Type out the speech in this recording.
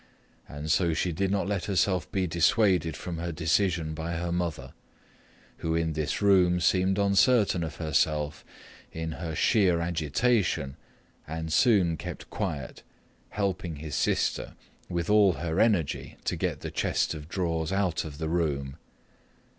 And so she did not let herself be dissuaded from her decision by her mother, who in this room seemed uncertain of herself in her sheer agitation and soon kept quiet, helping his sister with all her energy to get the chest of drawers out of the room.